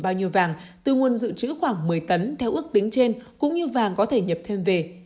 bao nhiêu vàng từ nguồn dự trữ khoảng một mươi tấn theo ước tính trên cũng như vàng có thể nhập thêm về